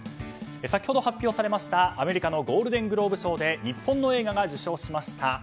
先ほど発表されましたアメリカのゴールデングローブ賞で日本の映画が受賞しました。